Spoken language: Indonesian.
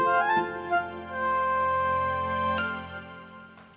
sekumat allah lebih jok